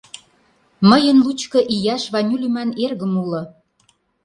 — Мыйын лучко ияш Ваню лӱман эргым уло.